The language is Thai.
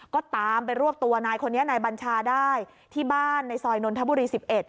ก็ตามไปรวบตัวนายคนนี้นายบัญชาได้ที่บ้านในซอยนนทบุรี๑๑